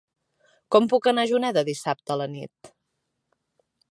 Com puc anar a Juneda dissabte a la nit?